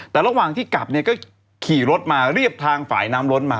แต่ระหว่างที่กลับเนี่ยก็ขี่รถมาเรียบทางฝ่ายน้ำล้นมา